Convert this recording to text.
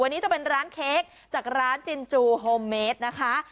วันนี้จะเป็นร้านเค้กจากร้านจินจูโฮมเมดนะคะ